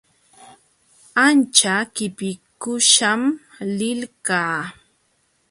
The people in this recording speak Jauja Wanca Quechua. Ancha qipikuśham lilqaa.